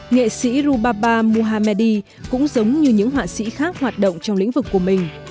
nghệ sĩ rubaba mohamedi cũng giống như những họa sĩ khác hoạt động trong lĩnh vực của mình